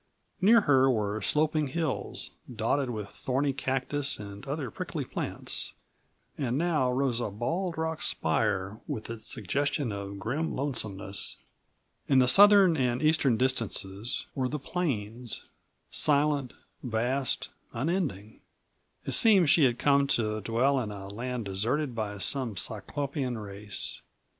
Near her were sloping hills, dotted with thorny cactus and other prickly plants, and now rose a bald rock spire with its suggestion of grim lonesomeness. In the southern and eastern distances were the plains, silent, vast, unending. It seemed she had come to dwell in a land deserted by some cyclopean race.